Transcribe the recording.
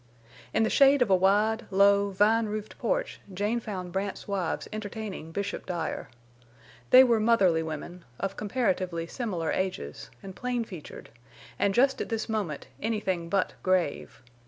In the shade of a wide, low, vine roofed porch Jane found Brandt's wives entertaining Bishop Dyer. They were motherly women, of comparatively similar ages, and plain featured, and just at this moment anything but grave.